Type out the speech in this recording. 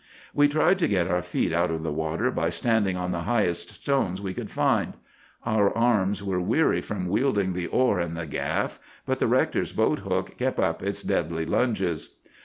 We tried to get our feet out of the water by standing on the highest stones we could find. Our arms were weary from wielding the oar and the gaff, but the rector's boat hook kept up its deadly lunges.